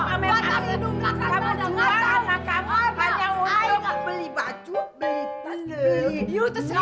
kamu jual anak kamu hanya untuk beli baju beli telur